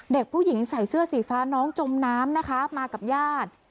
เด็กผู้หญิงใส่เสื้อสีฟ้าน้องจมน้ำนะคะมากับญาติ